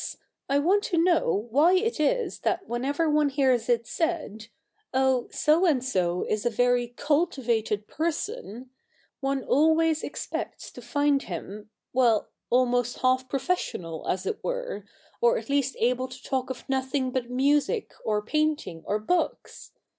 I want to know why it is that whenever one hears it said, " Oh, So and so is a very cultivated person," one always expects to find him — well, almost half professional as it were, or at least able to talk of nothing but music, or painting, or books